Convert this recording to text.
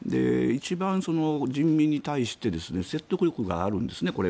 一番人民に対して、これが説得力があるんですね